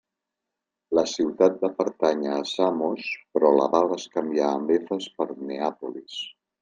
La ciutat va pertànyer a Samos però la va bescanviar amb Efes per Neàpolis.